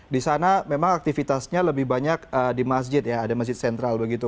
di sana memang aktivitasnya lebih banyak di masjid ya ada masjid sentral begitu